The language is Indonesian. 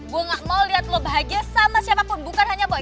gue gak mau lihat lo bahagia sama siapapun bukan hanya boy